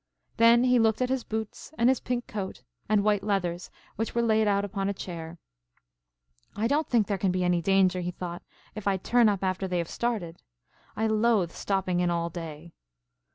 Then he looked at his boots and his pink coat and white leathers which were laid out upon a chair. "I don't think there can be any danger," he thought, "if I turn up after they have started. I loathe stopping in all day."